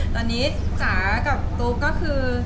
ตอนนี้จ๋ากับตุ๊กก็คือ